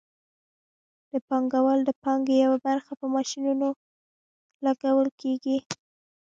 د پانګوال د پانګې یوه برخه په ماشینونو لګول کېږي